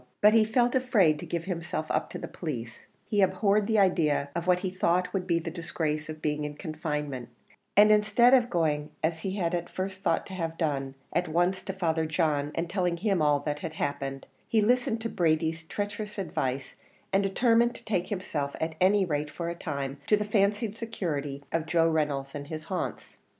But he felt afraid to give himself up to the police; he abhorred the idea of what he thought would be the disgrace of being in confinement; and instead of going, as he at first thought to have done, at once to Father John, and telling him all that had happened, he listened to Brady's traitorous advice, and determined to take himself, at any rate for a time, to the fancied security of Joe Reynolds and his haunts.